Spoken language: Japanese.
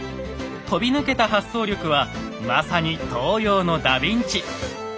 飛び抜けた発想力はまさに東洋のダビンチ！